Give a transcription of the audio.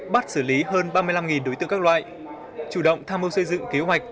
bắt xử lý hơn ba mươi năm đối tượng các loại chủ động tham mưu xây dựng kế hoạch